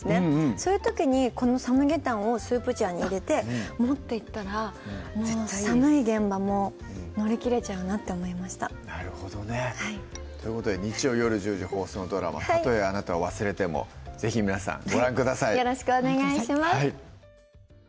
そういう時にこのサムゲタンをスープジャーに入れて持っていったら寒い現場も乗り切れちゃうなって思いましたなるほどねということで日曜夜１０時放送のドラマたとえあなたを忘れても是非皆さんよろしくお願いします